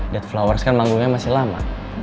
dead flowers kan manggungnya masih lama